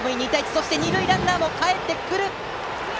そして二塁ランナーもかえってきた！